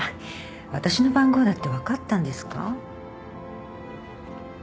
私の番号だって分かったんですか？